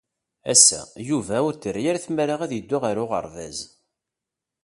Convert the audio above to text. Ass-a, Yuba ur t-terri ara tmara ad yeddu ɣer uɣerbaz.